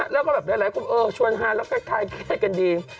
แล้วก็แบบหลายคนชวนฮาแล้วค่อยแค่กันดี